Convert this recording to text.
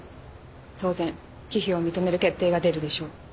当然忌避を認める決定が出るでしょう。